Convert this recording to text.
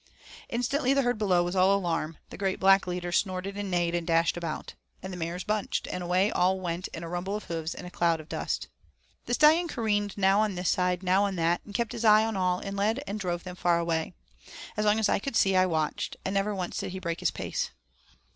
Instantly the herd below was all alarm, the great black leader snorted and neighed and dashed about. And the mares bunched, and away all went in a rumble of hoofs, and a cloud of dust. The Stallion careered now on this side, now on that, and kept his eye on all and led and drove them far away. As long as I could see I watched, and never once did he break his pace.